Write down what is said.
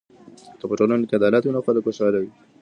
که په ټولنه کې عدالت وي نو خلک خوشحاله وي.